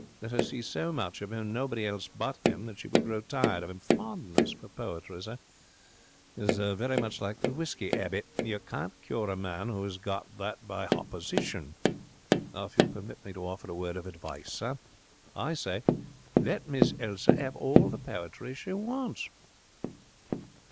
Let her see so much of him, and nobody else but him, that she will grow tired of him. Fondness for poetry, sir, is very much like the whisky 'abit. You can't cure a man what has got that by hopposition. Now, if you will permit me to offer a word of advice, sir, I say, let Miss Elsa 'ave all the poetry she wants.'